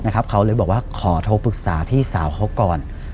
เขาเลยบอกว่าขอโทรปรึกษาพี่สาวเขาก่อน